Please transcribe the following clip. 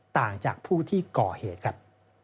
ต่างจากผู้ที่ก่อเหตุครับ